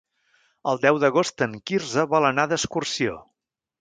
El deu d'agost en Quirze vol anar d'excursió.